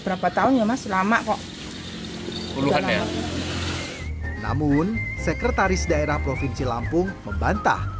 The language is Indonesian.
berapa tahun ya mas lama kok namun sekretaris daerah provinsi lampung membantah